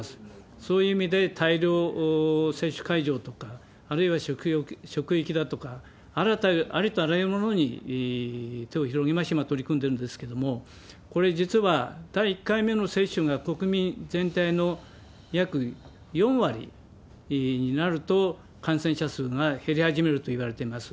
そういう意味で、大量接種会場とか、あるいは職域だとか、ありとあらゆるものに手を広げまして、今、取り組んでるんですけれども、これ、実は第１回目の接種が国民全体の約４割になると感染者数が減り始めるといわれてます。